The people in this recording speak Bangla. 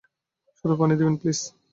শুধু পানি দিবেন, প্লিজ।